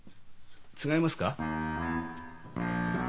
違いますか？